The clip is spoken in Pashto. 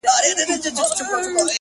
• لويي زامې، لویه خېټه پنډ ورنونه ,